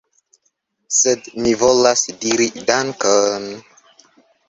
♫ Sed mi volas diri dankon ♫